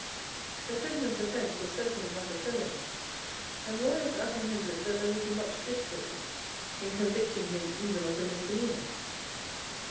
The prisoner's offence was certainly not a felony; and lawyers apprehended that there would be much difficulty in convicting him even of a misdemeanour.